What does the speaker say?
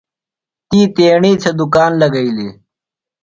تی تیݨی تھےۡ دُکان لگئیلیۡ۔